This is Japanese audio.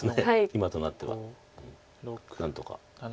今となっては何とか。